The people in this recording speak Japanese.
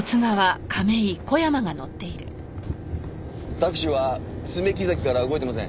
タクシーは爪木崎から動いてません。